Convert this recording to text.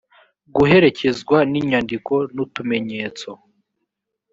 guherekezwa n inyandiko nutumenyetso